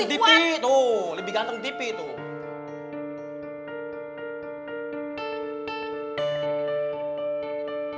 tapi lebih ganteng di pipi tuh